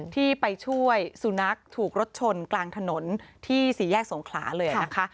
ที่ไปช่วยสุนัขถูกรถชนกลางถนนที่สี่แยกสงขลาเลยนะคะ